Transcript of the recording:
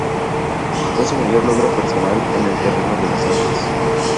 Fue su mayor logro personal en el terreno de las artes.